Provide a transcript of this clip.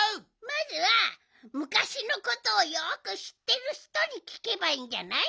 まずはむかしのことをよくしってるひとにきけばいいんじゃない？